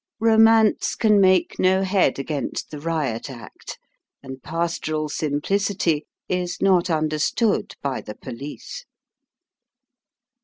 romance can make no head against the Eiot Act ; and pastoral simplicity is not understood by the police.